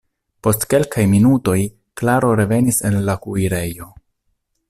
Post kelkaj minutoj Klaro revenis el la kuirejo.